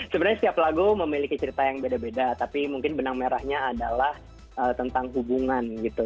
sebenarnya setiap lagu memiliki cerita yang beda beda tapi mungkin benang merahnya adalah tentang hubungan gitu